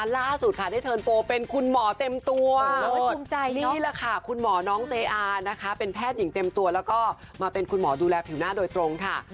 แล้วก็มาเป็นคุณหมอดูแลผิวหน้าโดยตรงค่ะ